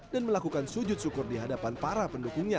dan melakukan sujud syukur di hadapan para pendukungnya